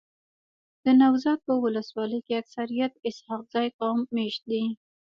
دنوزاد په ولسوالۍ کي اکثريت اسحق زی قوم میشت دی.